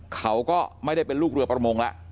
เขาก็ไม่ได้เป็นลูกเรือประมงแล้ว